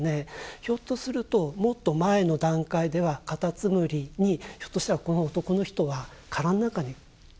ひょっとするともっと前の段階ではカタツムリにひょっとしたらこの男の人は殻の中に閉じ籠もっていたのかもしれない。